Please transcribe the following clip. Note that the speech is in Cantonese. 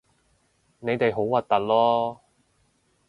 你哋好核突囉